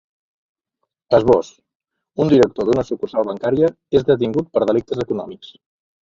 Esbós: Un director d’una sucursal bancària és detingut per delictes econòmics.